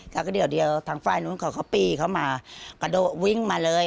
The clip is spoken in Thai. ครั้งก็เดี่ยวทางไฟนู้นก็เค้าก็ปีเข้ามากระโดะวิ่งมาเลย